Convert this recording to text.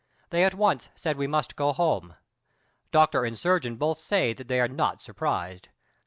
They at once said we must go home. Doctor and surgeon both say that they are not surprised.